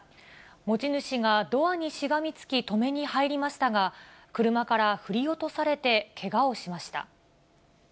持ち主がドアにしがみつき、止めに入りましたが、車から振り落とされてけがをしました。